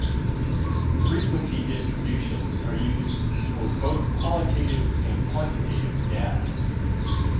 Frequency distributions are used for both qualitative and quantitative data.